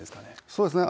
そうですね。